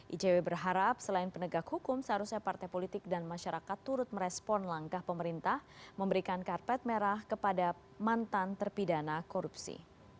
icw berharap selain penegak hukum seharusnya partai politik dan masyarakat turut merespon langkah pemerintah memberikan karpet merah kepada mantan terpidana korupsi